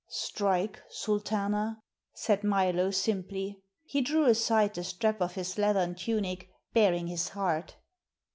"Strike, Sultana," said Milo simply. He drew aside the strap of his leathern tunic, baring his heart.